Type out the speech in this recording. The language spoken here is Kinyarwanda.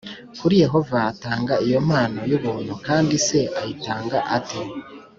Kuki Yehova atanga iyo mpano y’ubuntu’kandi se ayitanga ate